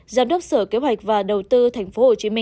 giám đốc sở kế hoạch và đầu tư tp hcm